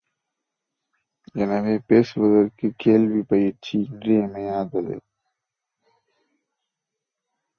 எனவே, பேசுவதற்குக் கேள்விப் பயிற்சி இன்றியமையாதது.